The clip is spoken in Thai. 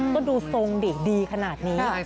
ก็ดูทรงดิดีขนาดนี้